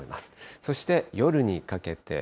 そして夜にかけて。